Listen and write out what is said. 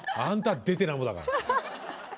「あんたは出てなんぼだから」。